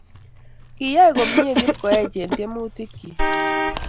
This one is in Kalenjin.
Kayai komnye Kipkoech eng' tyemutik chik